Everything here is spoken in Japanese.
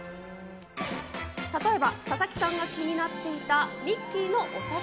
例えば佐々木さんが気になっていた、ミッキーのお札。